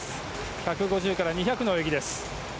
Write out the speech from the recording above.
１５０から２００の泳ぎ。